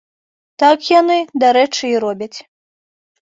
Так яны, дарэчы, і робяць.